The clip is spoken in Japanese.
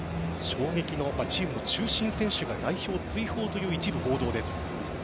衝撃の、チームの中心選手が代表追放という一部報道です。